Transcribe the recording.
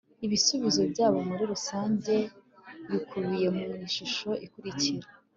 Ibisubizo byabo muri rusange bikubiye mu ishusho ikurikira